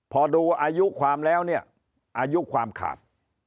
พอดูอายุความแล้วเนี่ยอายุความขาด